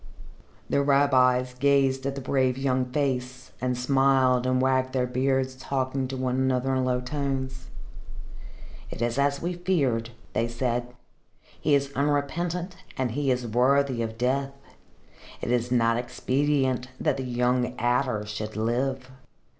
The rabbis gazed at the brave young face, and smiled and wagged their beards, talking one with another in low tones. "It is as we feared," they said. "He is unrepentant and he is worthy of death. It is not expedient that the young adder should live.